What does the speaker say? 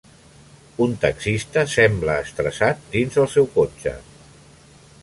Un taxista sembla estressat dins el seu cotxe.